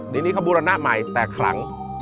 เดี๋ยวนี้เขาบูรณะใหม่แต่ครั้ง